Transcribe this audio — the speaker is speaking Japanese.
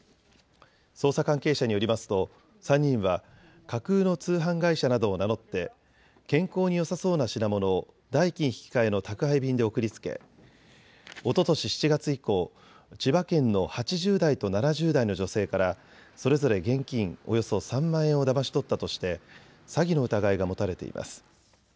捜査関係者によりますと３人は架空の通販会社などを名乗って健康によさそうな品物を代金引換の宅配便で送りつけおととし７月以降、千葉県の８０代と７０代の女性からそれぞれ現金およそ３万円をだまし取ったとして詐欺の疑いが持たれています。